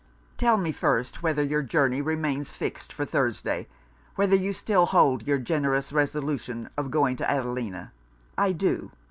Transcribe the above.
'Tell me, first, whether your journey remains fixed for Thursday? whether you still hold your generous resolution of going to Adelina?' 'I do.